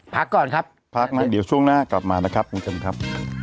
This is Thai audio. พ็ปก่อนครับพักนั้นเดี๋ยวช่วงหน้ากลับมานะครับพี่เกี่ยวหน่อยครับ